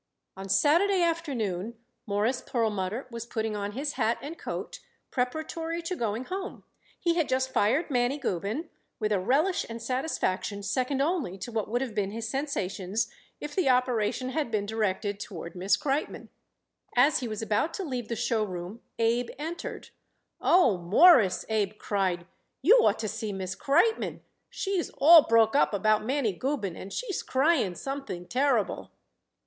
On Saturday afternoon Morris Perlmutter was putting on his hat and coat preparatory to going home. He had just fired Mannie Gubin with a relish and satisfaction second only to what would have been his sensations if the operation had been directed toward Miss Kreitmann. As he was about to leave the show room Abe entered. "Oh, Mawruss," Abe cried, "you ought to see Miss Kreitmann. She's all broke up about Mannie Gubin, and she's crying something terrible."